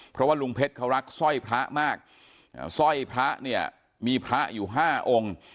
เพราะว่าลุงเพชรเขารักสร้อยพระมากสร้อยพระเนี่ยมีพระอยู่ห้าองค์